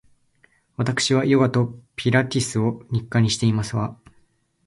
わたくしはヨガとピラティスを日課にしていますわ